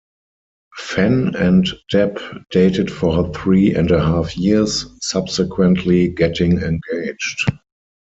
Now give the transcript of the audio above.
Fenn and Depp dated for three and a half years, subsequently getting engaged.